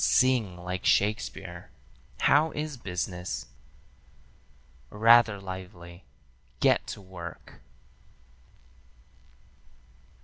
Sing like Shakespeare. 'How is business?' Rather lively. Get to work!"